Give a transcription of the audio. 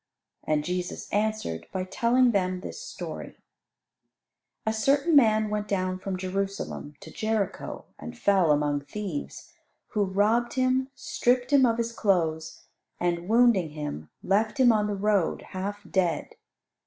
And Jesus answered by telling them this story: A certain man went down from Jerusalem to Jericho, and fell among thieves, who robbed him, stripped him of his clothes, and, wounding him, left him on the road half dead.